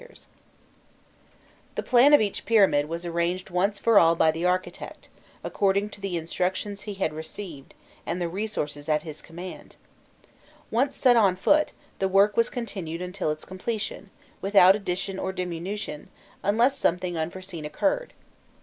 [Illustration: 208.jpg MAP OLEANDER LOWER] The plan of each pyramid was arranged once for all by the architect, according to the instructions he had received, and the resources at his command. Once set on foot, the work was continued until its completion, without addition or diminution, unless something unforeseen occurred.